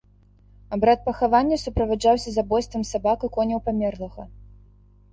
Абрад пахавання суправаджаўся забойствам сабак і коняў памерлага.